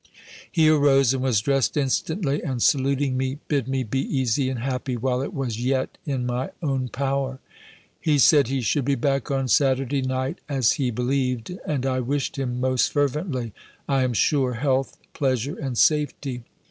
He arose, and was dressed instantly; and saluting me, bid me be easy and happy, while it was yet in my own power. He said, he should be back on Saturday night, as he believed. And I wished him, most fervently, I am sure, health, pleasure, and safety.